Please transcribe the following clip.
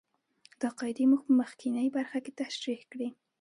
دا قاعدې موږ په مخکینۍ برخه کې تشرېح کړې.